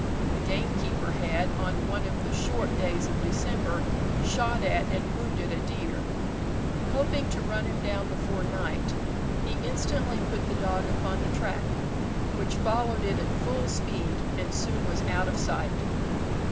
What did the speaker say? The gamekeeper had, on one of the short days of December, shot at and wounded a deer. Hoping to run him down before night, he instantly put the dog upon the track, which followed it at full speed, and soon was out of sight.